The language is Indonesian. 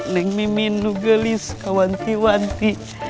neng miminu gelis kawanti wanti